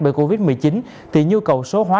bởi covid một mươi chín thì nhu cầu số hóa